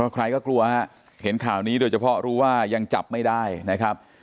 ใครก็กลัวฮะเห็นข่าวนี้โดยเฉพาะรู้ว่ายังจับไม่ได้นะครับ